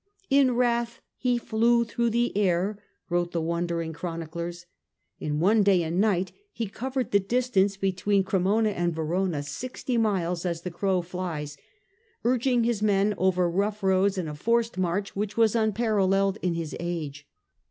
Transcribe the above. " In wrath he flew through the air," wrote the wondering chroniclers, In one day and night he covered the distance between Cremona and Verona, sixty miles as the crow flies, urging his men over rough roads in a forced march which was unparalleled in his age.